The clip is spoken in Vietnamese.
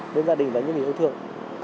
với gia đình và những người yêu thương